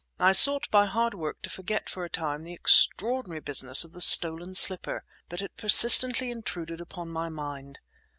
I sought by hard work to forget for a time the extraordinary business of the stolen slipper; but it persistently intruded upon my mind.